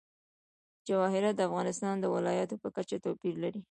جواهرات د افغانستان د ولایاتو په کچه توپیر لري.